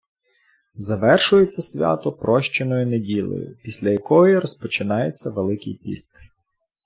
Завершується свято Прощеною неділею, після якої розпочинається Великий піст.